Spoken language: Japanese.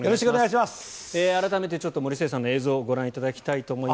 改めて森末さんの映像をご覧いただきます。